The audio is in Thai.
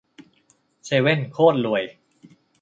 เซเว่นโคตรรวย